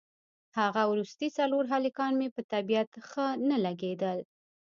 هغه وروستي څلور هلکان مې په طبیعت ښه نه لګېدل.